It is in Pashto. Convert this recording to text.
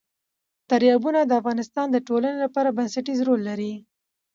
دریابونه د افغانستان د ټولنې لپاره بنسټيز رول لري.